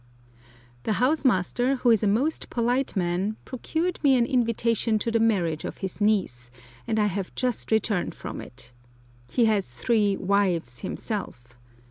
The house master, who is a most polite man, procured me an invitation to the marriage of his niece, and I have just returned from it. He has three "wives" himself.